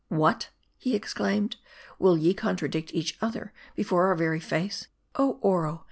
" What !" he exclaimed ," will ye contradict each other before our very face. Oh Oro !